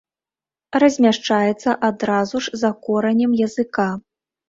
Размяшчаецца адразу ж за коранем языка.